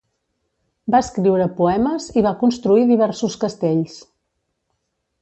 Va escriure poemes i va construir diversos castells.